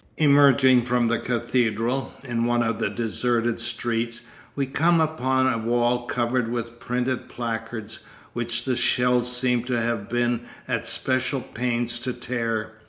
Emerging from the cathedral, in one of the deserted streets, we come upon a wall covered with printed placards, which the shells seem to have been at special pains to tear.